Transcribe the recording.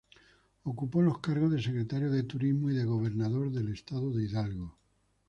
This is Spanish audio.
Ocupó los cargos de Secretario de Turismo y de Gobernador del Estado de Hidalgo.